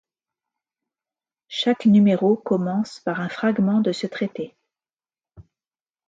Chaque numéro commence par un fragment de ce traité.